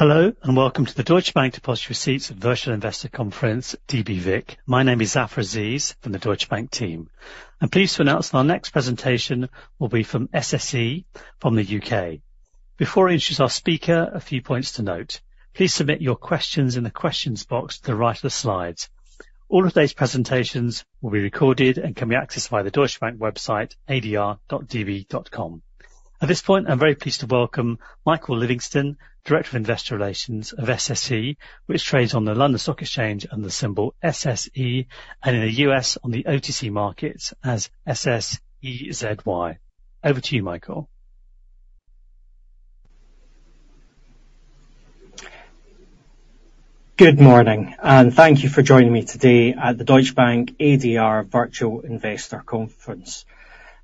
Hello, and welcome to the Deutsche Bank Depositary Receipts Virtual Investor Conference, DBVIC. My name is Zafar Aziz from the Deutsche Bank team. I'm pleased to announce our next presentation will be from SSE from the UK. Before I introduce our speaker, a few points to note. Please submit your questions in the questions box to the right of the slides. All of today's presentations will be recorded and can be accessed via the Deutsche Bank website, adr.db.com. At this point, I'm very pleased to welcome Michael Livingston, Director of Investor Relations of SSE, which trades on the London Stock Exchange under the symbol SSE, and in the US on the OTC markets as SSEZY. Over to you, Michael. Good morning, and thank you for joining me today at the Deutsche Bank ADR Virtual Investor Conference.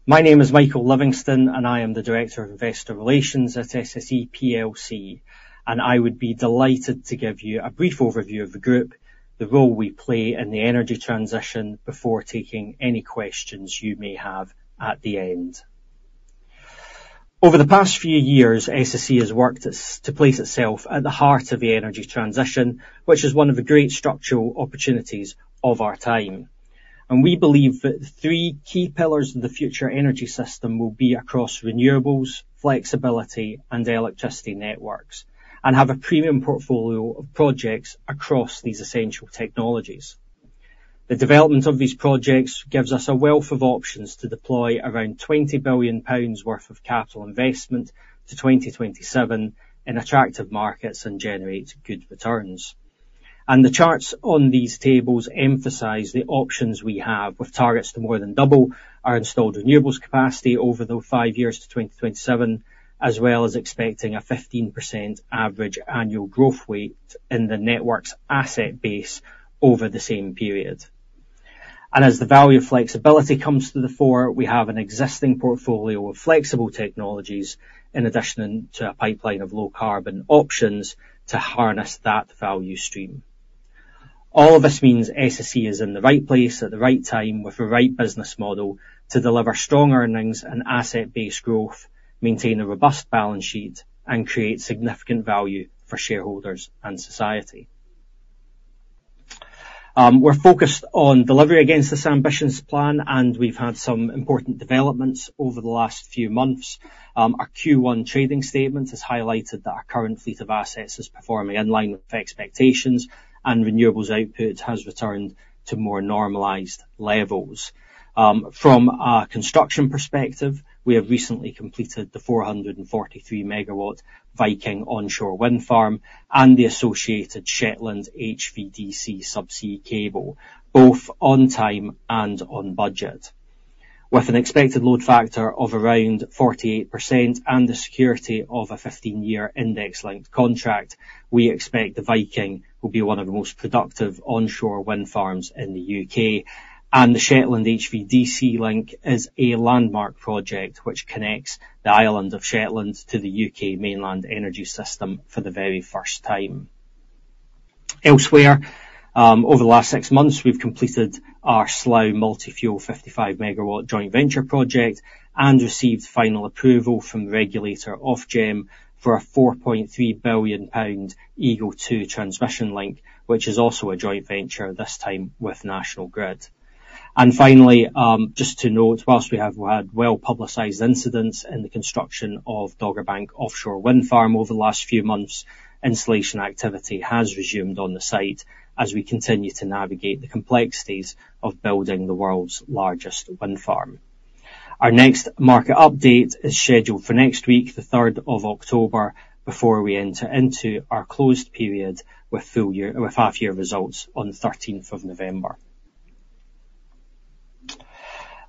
My name is Michael Livingston, and I am the Director of Investor Relations at SSE PLC, and I would be delighted to give you a brief overview of the group, the role we play in the energy transition, before taking any questions you may have at the end. Over the past few years, SSE has worked to place itself at the heart of the energy transition, which is one of the great structural opportunities of our time. And we believe that the three key pillars of the future energy system will be across renewables, flexibility, and electricity networks, and have a premium portfolio of projects across these essential technologies. The development of these projects gives us a wealth of options to deploy around 20 billion pounds worth of capital investment to 2027 in attractive markets and generate good returns. And the charts on these tables emphasize the options we have, with targets to more than double our installed renewables capacity over the five years to 2027, as well as expecting a 15% average annual growth rate in the network's asset base over the same period. And as the value of flexibility comes to the fore, we have an existing portfolio of flexible technologies, in addition to a pipeline of low-carbon options to harness that value stream. All of this means SSE is in the right place at the right time with the right business model to deliver strong earnings and asset-based growth, maintain a robust balance sheet, and create significant value for shareholders and society. We're focused on delivery against this ambitious plan, and we've had some important developments over the last few months. Our Q1 trading statement has highlighted that our current fleet of assets is performing in line with expectations, and renewables output has returned to more normalized levels. From a construction perspective, we have recently completed the 443MW Viking Wind Farm and the associated Shetland HVDC subsea cable, both on time and on budget. With an expected load factor of around 48% and the security of a 15-year index-linked contract, we expect the Viking will be one of the most productive onshore wind farms in the U.K., and the Shetland HVDC link is a landmark project which connects the island of Shetland to the U.K. mainland energy system for the very first time. Elsewhere, over the last six months, we've completed our Slough Multifuel 55MW joint venture project and received final approval from the regulator, Ofgem, for a 4.3 billion pound EGL2 Transmission link, which is also a joint venture, this time with National Grid. And finally, just to note, whilst we have had well-publicized incidents in the construction of Dogger Bank offshore wind farm over the last few months, installation activity has resumed on the site as we continue to navigate the complexities of building the world's largest wind farm. Our next market update is scheduled for next week, the 3 October 2024, before we enter into our closed period with half year results on the 13 November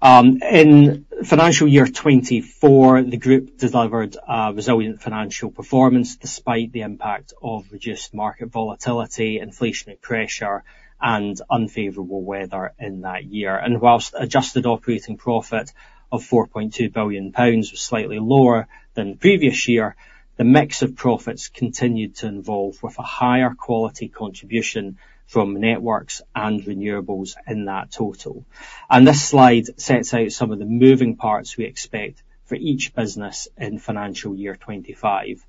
2024. In financial year 2024, the group delivered a resilient financial performance despite the impact of reduced market volatility, inflationary pressure, and unfavorable weather in that year. While adjusted operating profit of 4.2 billion pounds was slightly lower than the previous year, the mix of profits continued to evolve with a higher quality contribution from networks and renewables in that total. This slide sets out some of the moving parts we expect for each business in financial year 2025.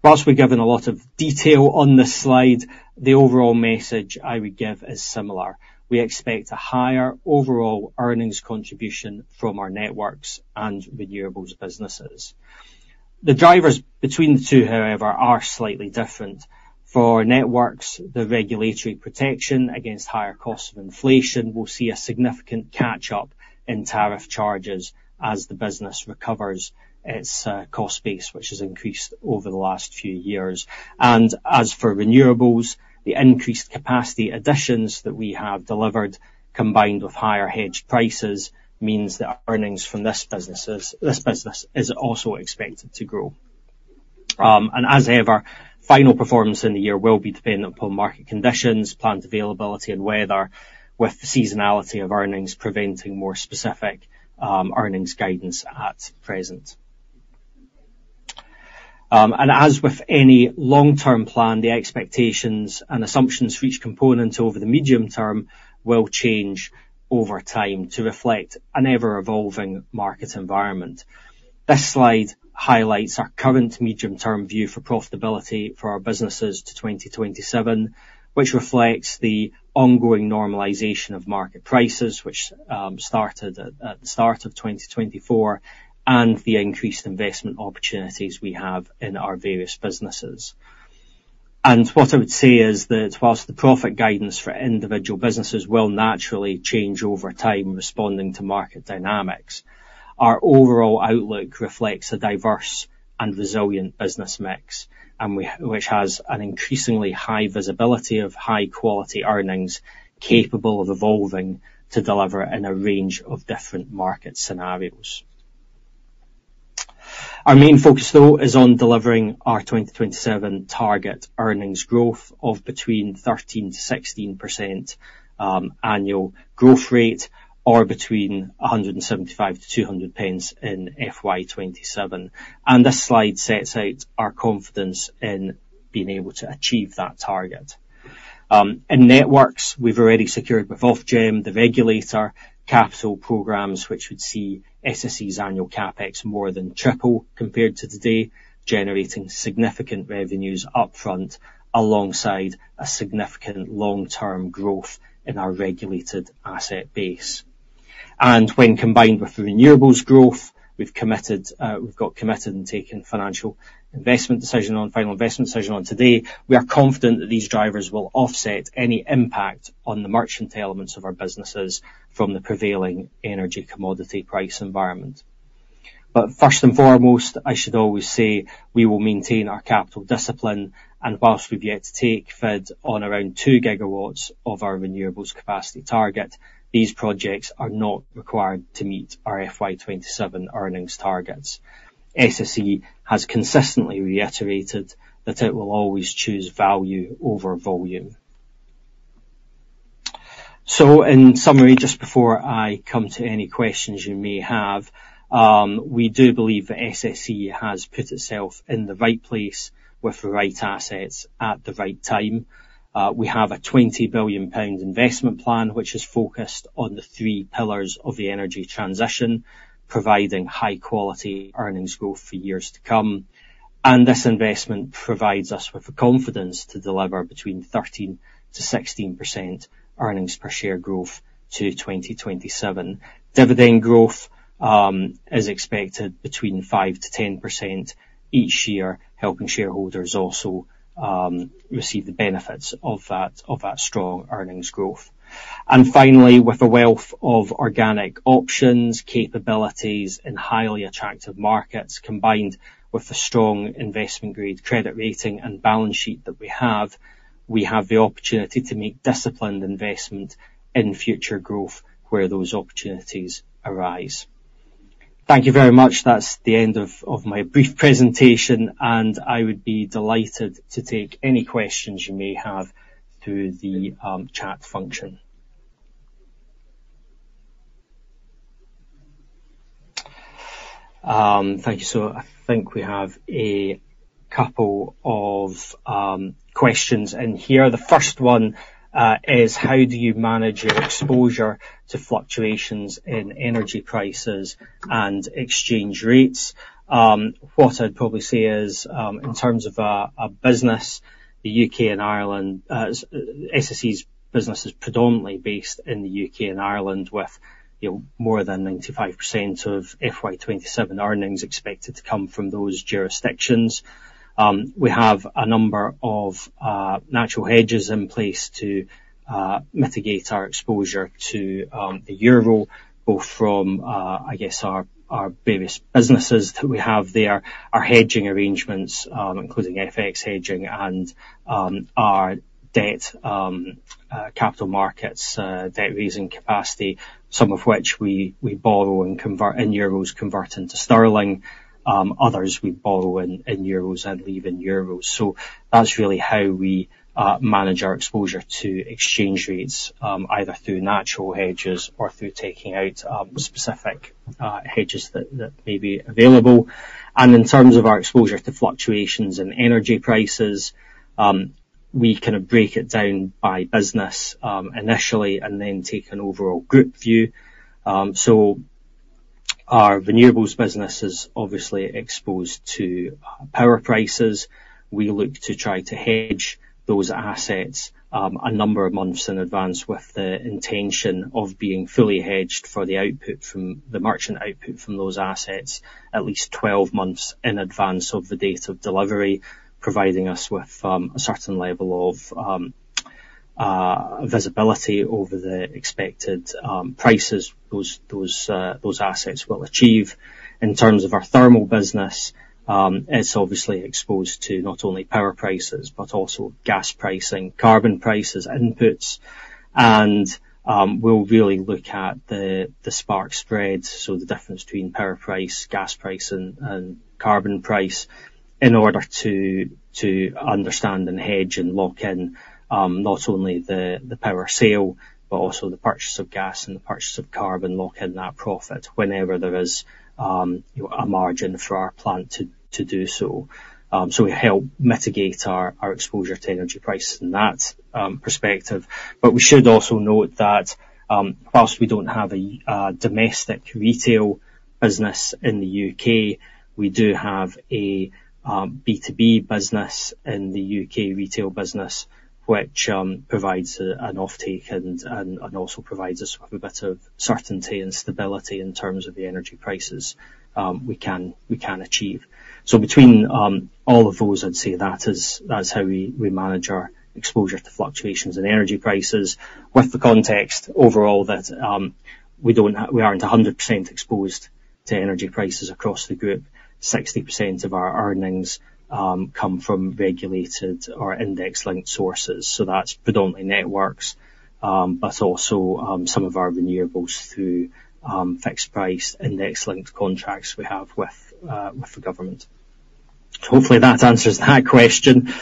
While we've given a lot of detail on this slide, the overall message I would give is similar. We expect a higher overall earnings contribution from our networks and renewables businesses. The drivers between the two, however, are slightly different. For networks, the regulatory protection against higher costs of inflation will see a significant catch-up in tariff charges as the business recovers its cost base, which has increased over the last few years. And as for renewables, the increased capacity additions that we have delivered, combined with higher hedge prices, means that our earnings from this businesses, this business is also expected to grow. And as ever, final performance in the year will be dependent upon market conditions, plant availability, and weather, with the seasonality of earnings preventing more specific earnings guidance at present. And as with any long-term plan, the expectations and assumptions for each component over the medium term will change over time to reflect an ever-evolving market environment. This slide highlights our current medium-term view for profitability for our businesses to 2027, which reflects the ongoing normalization of market prices, which started at the start of 2024, and the increased investment opportunities we have in our various businesses. What I would say is that while the profit guidance for individual businesses will naturally change over time, responding to market dynamics, our overall outlook reflects a diverse and resilient business mix, which has an increasingly high visibility of high-quality earnings, capable of evolving to deliver in a range of different market scenarios. Our main focus, though, is on delivering our 2027 target earnings growth of between 13%-16% annual growth rate, or between 1.75-2.00 in FY 2027. This slide sets out our confidence in being able to achieve that target. In networks, we've already secured with Ofgem, the regulator, capital programs, which would see SSE's annual CapEx more than triple compared to today, generating significant revenues upfront, alongside a significant long-term growth in our regulated asset base. And when combined with renewables growth, we've committed and taken final investment decision on to date. We are confident that these drivers will offset any impact on the merchant elements of our businesses from the prevailing energy commodity price environment. But first and foremost, I should always say, we will maintain our capital discipline, and while we've yet to take FID on around 2GW of our renewables capacity target, these projects are not required to meet our FY 2027 earnings targets. SSE has consistently reiterated that it will always choose value over volume. So in summary, just before I come to any questions you may have, we do believe that SSE has put itself in the right place, with the right assets, at the right time. We have a 20 billion pound investment plan, which is focused on the three pillars of the energy transition, providing high-quality earnings growth for years to come. And this investment provides us with the confidence to deliver between 13%-16% earnings per share growth to 2027. Dividend growth is expected between 5%-10% each year, helping shareholders also receive the benefits of that strong earnings growth. Finally, with a wealth of organic options, capabilities in highly attractive markets, combined with the strong investment-grade credit rating and balance sheet that we have, we have the opportunity to make disciplined investment in future growth where those opportunities arise. Thank you very much. That's the end of my brief presentation, and I would be delighted to take any questions you may have through the chat function. Thank you. I think we have a couple of questions in here. The first one is: how do you manage your exposure to fluctuations in energy prices and exchange rates? What I'd probably say is, in terms of our business, the U.K. and Ireland, SSE's business is predominantly based in the U.K. and Ireland, with, you know, more than 95% of FY 2027 earnings expected to come from those jurisdictions. We have a number of natural hedges in place to mitigate our exposure to the euro, both from I guess our various businesses that we have there, our hedging arrangements, including FX hedging and our debt capital markets debt-raising capacity, some of which we borrow and convert in euros, convert into sterling. Others we borrow in euros and leave in euros. So that's really how we manage our exposure to exchange rates, either through natural hedges or through taking out specific hedges that may be available. And in terms of our exposure to fluctuations in energy prices, we kind of break it down by business initially, and then take an overall group view. So our renewables business is obviously exposed to power prices. We look to try to hedge those assets, a number of months in advance, with the intention of being fully hedged for the output from the merchant output from those assets at least 12 months in advance of the date of delivery, providing us with a certain level of visibility over the expected prices those assets will achieve. In terms of our thermal business, it's obviously exposed to not only power prices, but also gas pricing, carbon prices, inputs, and we'll really look at the spark spread, so the difference between power price, gas price, and carbon price, in order to understand and hedge and lock in not only the power sale, but also the purchase of gas and the purchase of carbon, lock in that profit whenever there is, you know, a margin for our plant to do so. So we help mitigate our exposure to energy prices from that perspective. But we should also note that, while we don't have a domestic retail business in the U.K., we do have a B2B business in the U.K., retail business, which provides an offtake and also provides us with a bit of certainty and stability in terms of the energy prices we can achieve. So between all of those, I'd say that is, that's how we manage our exposure to fluctuations in energy prices, with the context overall that we don't have, we aren't 100% exposed to energy prices across the group. 60% of our earnings come from regulated or index-linked sources, so that's predominantly networks, but also some of our renewables through fixed price index-linked contracts we have with the government. Hopefully, that answers that question.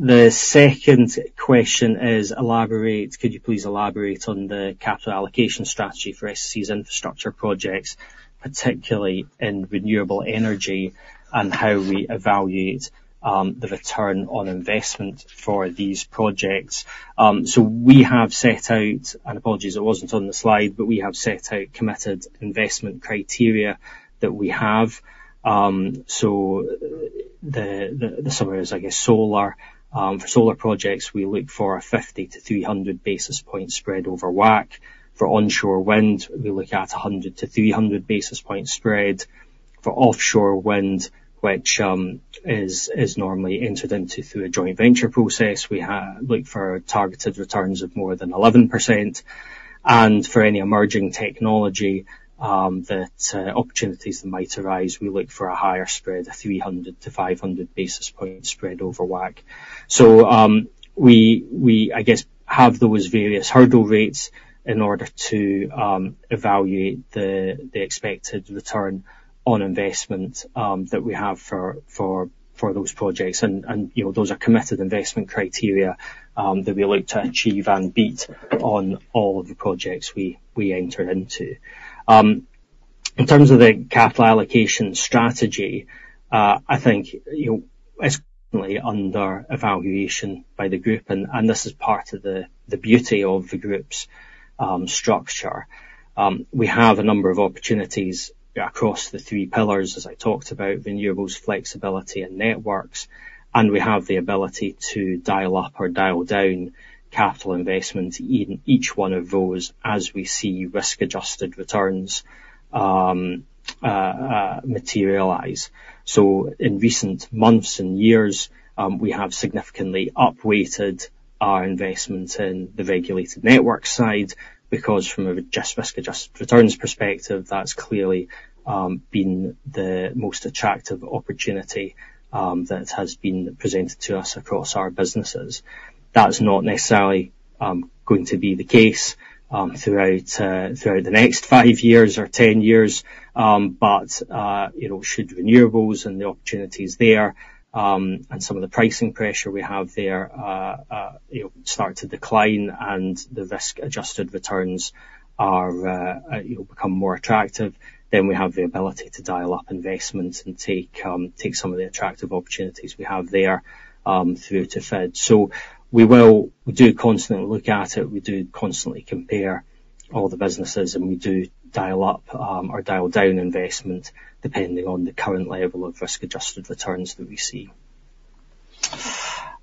The second question is elaborate-- could you please elaborate on the capital allocation strategy for SSE's infrastructure projects, particularly in renewable energy, and how we evaluate the return on investment for these projects? So we have set out, and apologies, it wasn't on the slide, but we have set out committed investment criteria that we have. So the summary is, I guess, solar. For solar projects, we look for a 50-300 basis point spread over WACC. For onshore wind, we look at a 100-300 basis point spread. For offshore wind, which is normally entered into through a joint venture process, we look for targeted returns of more than 11%. And for any emerging technology, opportunities that might arise, we look for a higher spread, 300-500 basis point spread over WACC. So, we, I guess, have those various hurdle rates in order to evaluate the expected return on investment that we have for those projects. And you know, those are committed investment criteria that we look to achieve and beat on all of the projects we enter into. In terms of the capital allocation strategy, I think, you know, it's currently under evaluation by the group, and this is part of the beauty of the group's structure. We have a number of opportunities across the three pillars, as I talked about, renewables, flexibility and networks. And we have the ability to dial up or dial down capital investment in each one of those as we see risk-adjusted returns materialize. So in recent months and years, we have significantly upweighted our investment in the regulated network side, because from a just risk-adjusted returns perspective, that's clearly been the most attractive opportunity that has been presented to us across our businesses. That's not necessarily going to be the case throughout the next five years or ten years. But you know, should renewables and the opportunities there, and some of the pricing pressure we have there, you know, start to decline, and the risk-adjusted returns are, you know, become more attractive, then we have the ability to dial up investment and take some of the attractive opportunities we have there, through to FID. So we do constantly look at it, we do constantly compare all the businesses, and we do dial up, or dial down investment, depending on the current level of risk-adjusted returns that we see.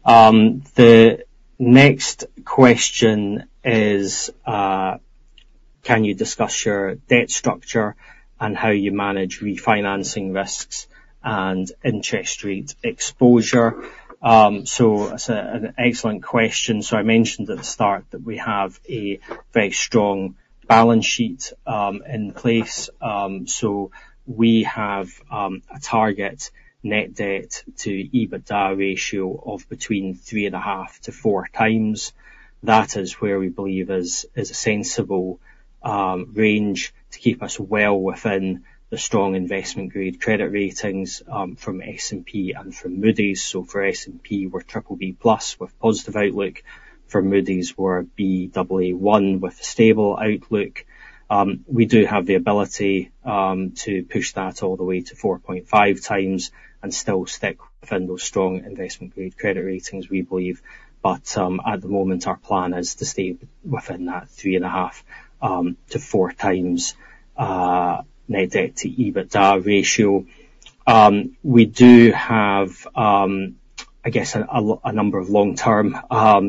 The next question is, can you discuss your debt structure and how you manage refinancing risks and interest rate exposure? So that's an excellent question. So I mentioned at the start that we have a very strong balance sheet in place. So we have a target net debt to EBITDA ratio of between three and a half to four times. That is where we believe is a sensible range to keep us well within the strong investment-grade credit ratings from S&P and from Moody's. So for S&P, we're BBB+ with positive outlook. For Moody's, we're Baa1 with a stable outlook. We do have the ability to push that all the way to 4.5x and still stick within those strong investment-grade credit ratings, we believe. But at the moment, our plan is to stay within that 3.5-4x net debt to EBITDA ratio. We do have, I guess, a number of long-term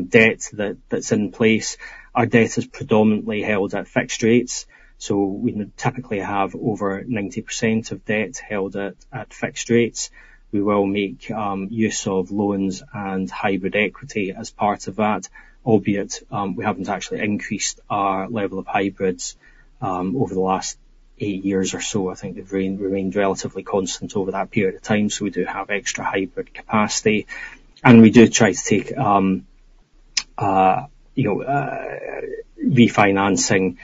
debt that's in place. Our debt is predominantly held at fixed rates, so we typically have over 90% of debt held at fixed rates. We will make use of loans and hybrid equity as part of that, albeit we haven't actually increased our level of hybrids over the last eight years or so. I think they've remained relatively constant over that period of time. So we do have extra hybrid capacity, and we do try to take you know refinancing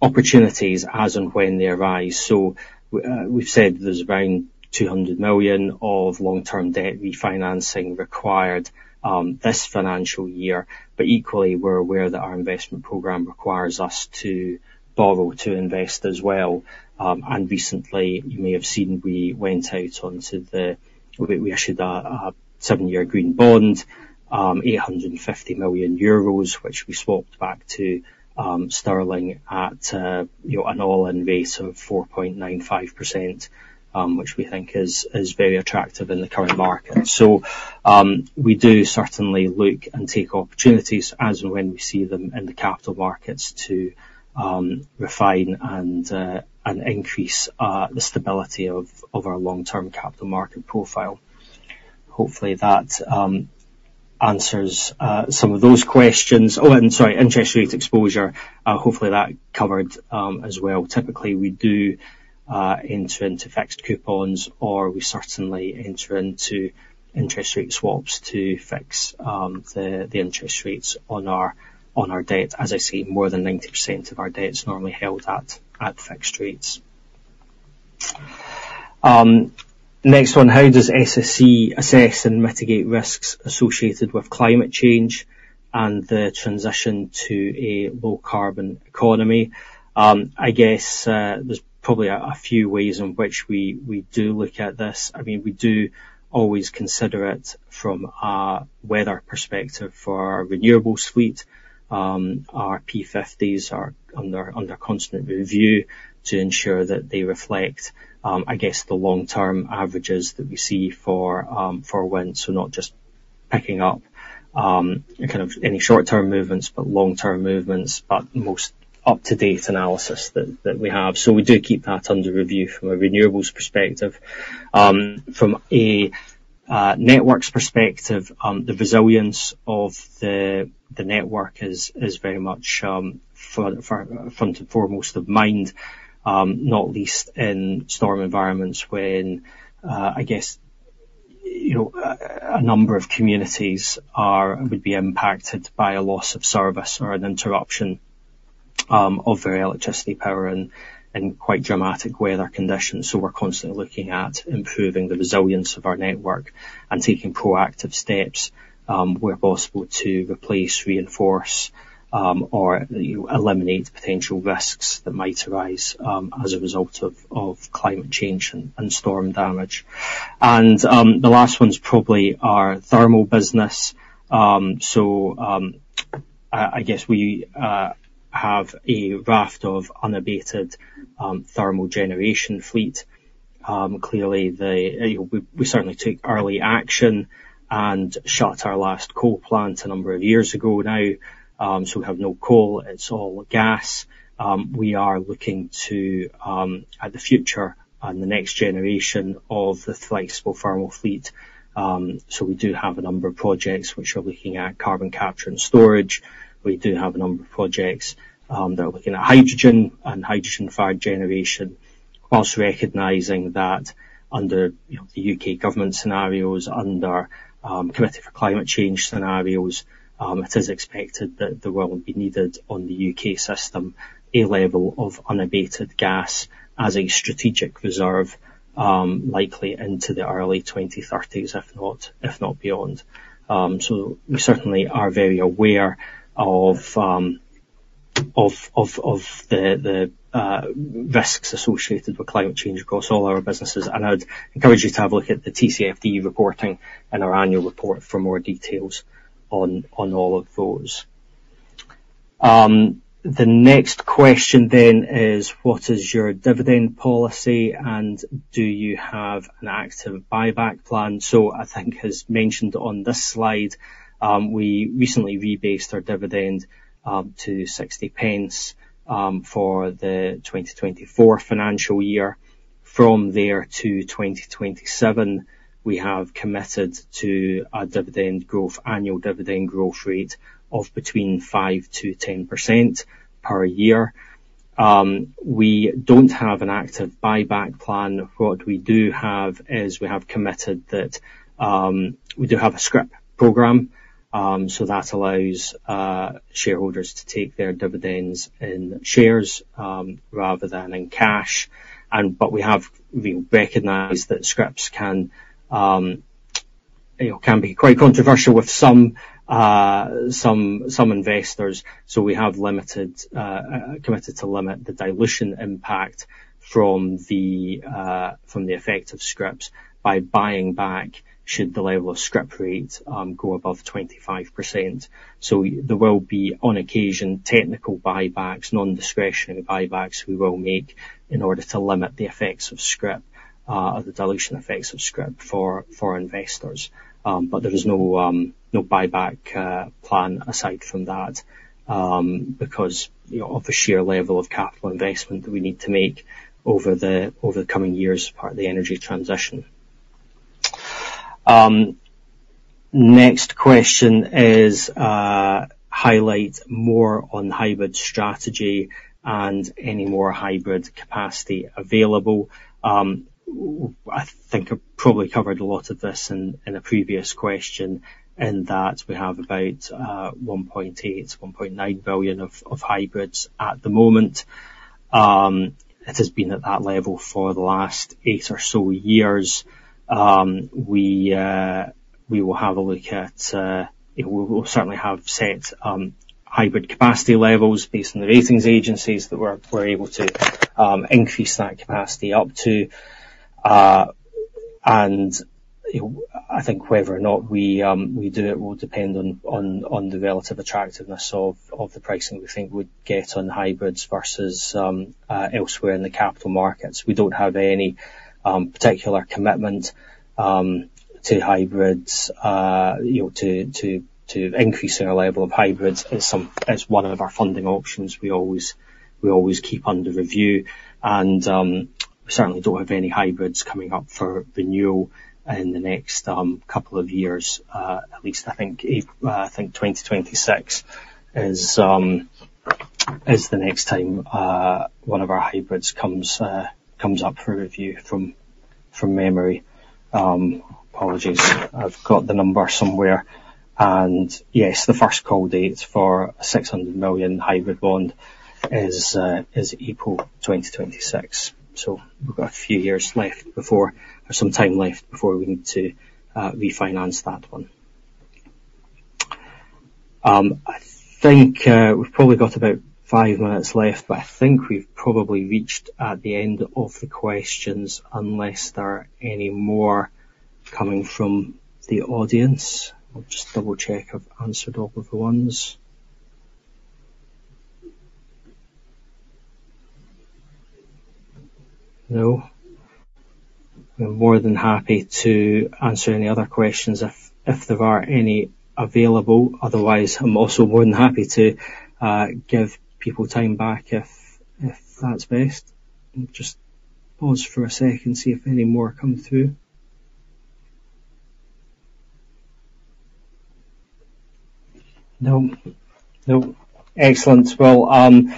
opportunities as and when they arise. So we've said there's around 200 million of long-term debt refinancing required this financial year. But equally, we're aware that our investment program requires us to borrow to invest as well. And recently, you may have seen, we went out onto the... We issued a seven-year green bond, 850 million euros, which we swapped back to sterling at, you know, an all-in rate of 4.95%, which we think is very attractive in the current market. So, we do certainly look and take opportunities as and when we see them in the capital markets to refine and increase the stability of our long-term capital market profile. Hopefully, that answers some of those questions. Oh, and sorry, interest rate exposure. Hopefully, that covered as well. Typically, we do enter into fixed coupons, or we certainly enter into interest rate swaps to fix the interest rates on our debt. As I say, more than 90% of our debt is normally held at fixed rates. Next one: How does SSE assess and mitigate risks associated with climate change and the transition to a low carbon economy? I guess, there's probably a few ways in which we do look at this. I mean, we do always consider it from a weather perspective for our renewable suite. Our P50s are under constant review to ensure that they reflect, I guess, the long-term averages that we see for wind. So not just picking up kind of any short-term movements, but long-term movements, but most up-to-date analysis that we have. So we do keep that under review from a renewables perspective. From a networks perspective, the resilience of the network is very much front and foremost of mind, not least in storm environments, when I guess, you know, a number of communities would be impacted by a loss of service or an interruption of their electricity power and quite dramatic weather conditions. So we're constantly looking at improving the resilience of our network and taking proactive steps, where possible, to replace, reinforce, or, you know, eliminate potential risks that might arise, as a result of climate change and storm damage, and the last one is probably our thermal business. So I guess we have a raft of unabated thermal generation fleet. Clearly, the... We certainly took early action and shut our last coal plant a number of years ago now. So we have no coal. It's all gas. We are looking to at the future and the next generation of the flexible thermal fleet. So we do have a number of projects which are looking at carbon capture and storage. We do have a number of projects that are looking at hydrogen and hydrogen-fired generation, whilst recognizing that under, you know, the U.K. government scenarios, under Committee for Climate Change scenarios, it is expected that there will be needed on the U.K. system, a level of unabated gas as a strategic reserve, likely into the early 20, 30s, if not beyond. We certainly are very aware of the risks associated with climate change across all our businesses. And I'd encourage you to have a look at the TCFD reporting and our annual report for more details on all of those. The next question then is: What is your dividend policy, and do you have an active buyback plan? I think, as mentioned on this slide, we recently rebased our dividend to 0.60 for the 2024 financial year. From there to 2027, we have committed to a dividend growth, annual dividend growth rate of between 5%-10% per year. We don't have an active buyback plan. What we do have is we have committed that, we do have a scrip program, so that allows, shareholders to take their dividends in shares, rather than in cash. And but we have- we recognize that scrips can, you know, can be quite controversial with some, some investors. So we have limited, committed to limit the dilution impact from the, from the effect of scrips by buying back, should the level of scrip rate, go above 25%. So there will be, on occasion, technical buybacks, non-discretionary buybacks we will make in order to limit the effects of scrip, or the dilution effects of scrip for, for investors. But there is no buyback plan aside from that, because, you know, of the sheer level of capital investment that we need to make over the coming years as part of the energy transition. Next question is: Highlight more on hybrid strategy and any more hybrid capacity available. I think I probably covered a lot of this in a previous question, in that we have about 1.8-1.9 billion of hybrids at the moment. It has been at that level for the last eight or so years. We will have a look at. We certainly have set hybrid capacity levels based on the rating agencies that we're able to increase that capacity up to. And, you know, I think whether or not we do it will depend on the relative attractiveness of the pricing we think we'd get on hybrids versus elsewhere in the capital markets. We don't have any particular commitment to hybrids, you know, to increase our level of hybrids. It's one of our funding options we always keep under review. We certainly don't have any hybrids coming up for renewal in the next couple of years, at least I think. April, I think, 2026 is the next time one of our hybrids comes up for review from memory. Apologies. I've got the number somewhere, and yes, the first call date for a 600 million hybrid bond is April 2026. So we've got a few years left before or some time left before we need to refinance that one. I think we've probably got about five minutes left, but I think we've probably reached the end of the questions, unless there are any more coming from the audience. I'll just double-check. I've answered all of the ones. No. I'm more than happy to answer any other questions if there are any available. Otherwise, I'm also more than happy to give people time back if that's best. Just pause for a second, see if any more come throug. No. No. Excellent. Well, on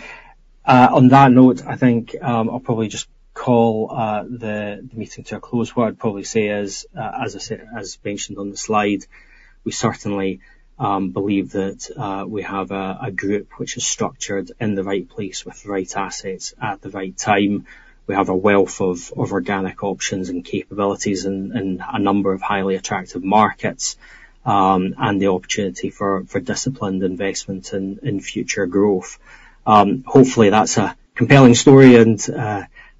that note, I think I'll probably just call the meeting to a close. What I'd probably say is, as I said, as mentioned on the slide, we certainly believe that we have a group which is structured in the right place with the right assets at the right time. We have a wealth of organic options and capabilities and a number of highly attractive markets, and the opportunity for disciplined investment in future growth. Hopefully, that's a compelling story and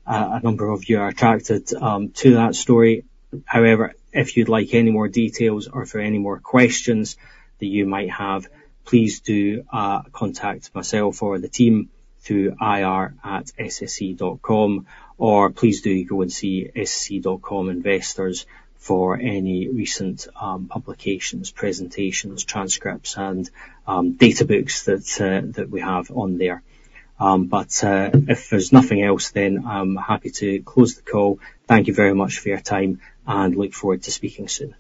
a number of you are attracted to that story. However, if you'd like any more details or if there are any more questions that you might have, please do contact myself or the team through ir@sse.com, or please do go and see sse.com investors for any recent publications, presentations, transcripts, and data books that we have on there. But if there's nothing else, then I'm happy to close the call. Thank you very much for your time, and look forward to speaking soon.